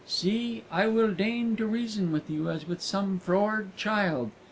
"See, I will deign to reason with you as with some froward child.